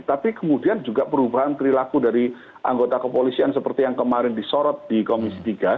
tapi kemudian juga perubahan perilaku dari anggota kepolisian seperti yang kemarin disorot di komisi tiga